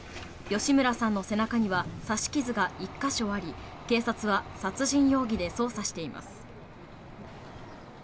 吉村さんの背中には刺し傷が１か所あり警察は殺人容疑で捜査しています。